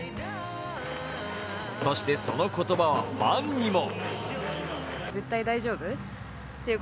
そして、その言葉はファンにも。